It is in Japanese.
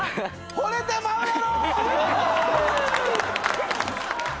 惚れてまうやろー！